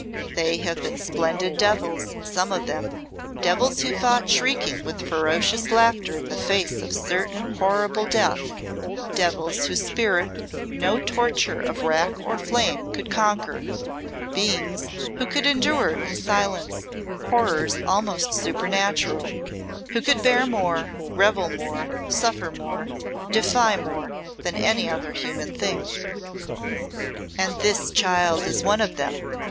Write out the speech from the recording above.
They have been splendid devils, some of them devils who fought, shrieking with ferocious laughter in the face of certain horrible death; devils whose spirit no torture of rack or flame could conquer; beings who could endure in silence horrors almost supernatural; who could bear more, revel more, suffer more, defy more than any other human thing." "And this child is one of them!"